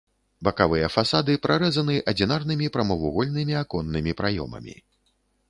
Бакавыя фасады прарэзаны адзінарнымі прамавугольнымі аконнымі праёмамі.